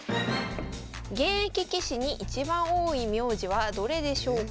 現役棋士に一番多い名字はどれでしょうか？